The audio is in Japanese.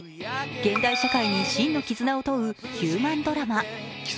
現代社会に真の絆を問うヒューマンドラマ。